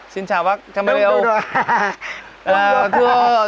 xin chào bác cha mê đeo